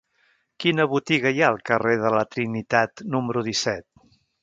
Quina botiga hi ha al carrer de la Trinitat número disset?